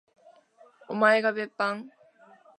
おまえが別班？